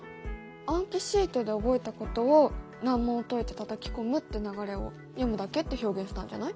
暗記シートで覚えたことを難問を解いてたたき込むって流れを「読むだけ」って表現したんじゃない？